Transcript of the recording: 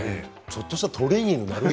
ちょっとしたトレーニングになる。